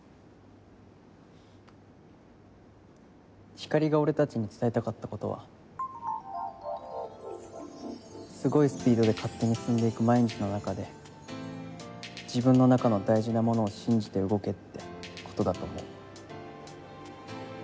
ひかりが俺たちに伝えたかったことはすごいスピードで勝手に進んでいく毎日の中で自分の中の大事なものを信じて動けってことだと思う。